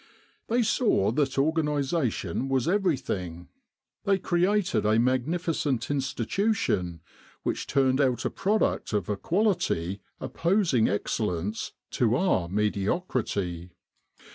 They saw that organisation was everything. They created a magnificent institu tion which turned out a product of a quality opposing excellence to our mediocrity.